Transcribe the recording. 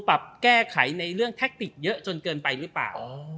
ปรับแก้ไขในเรื่องแท็กติกเยอะจนเกินไปหรือเปล่า